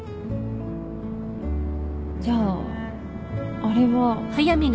じゃああれは。